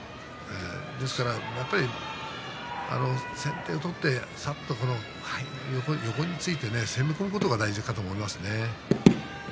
やはり先手を取って横について攻め込むことが大事だと思いますね。